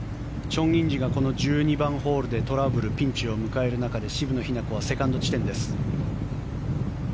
チョン・インジがこの１２番ホールでトラブル、ピンチを迎える中で渋野日向子はセカンド地点です。